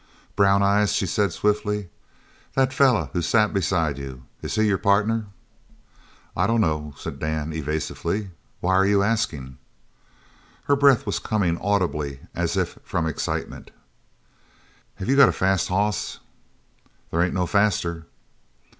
"Brown eyes," she said swiftly, "that feller who sat beside you is he your partner?" "I dunno," said Dan evasively, "why are you askin'?" Her breath was coming audibly as if from excitement. "Have you got a fast hoss?" "There ain't no faster."